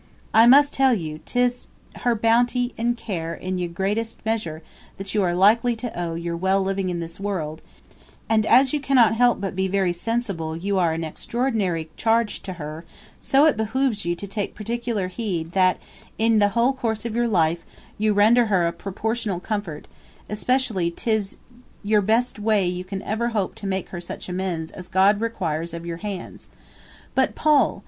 I must tell you 'tis to her bounty & care in ye greatest measure you are like to owe yr well living in this world, & as you cannot but be very sensible you are an extra ordinary charge to her so it behoves you to take particular heed tht in ye whole course of yr life, you render her a proportionable comfort, especially since 'tis ye best way you can ever hope to make her such amends as God requires of yr hands. but Poll!